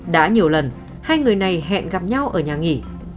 đã nhiều lần hai người này hẹn gặp nhau ở nhà nghỉ